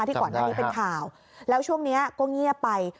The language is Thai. จำได้ครับที่ก่อนนี้เป็นข่าวแล้วช่วงนี้ก็เงียบไป